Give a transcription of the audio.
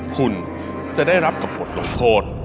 คุณจะได้รับกับบทลงโทษ